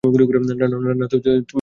না, তুমি হেঁয়ালি রাখো, বলো।